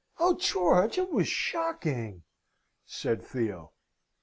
Oh, George, it was shocking!" said Theo.